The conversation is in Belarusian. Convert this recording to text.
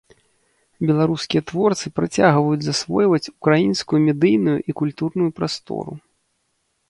Беларускія творцы працягваюць засвойваць украінскую медыйную і культурную прастору.